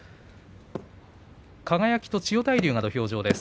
輝と千代大龍が土俵上です。